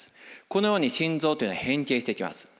このように心臓というのは変形していきます。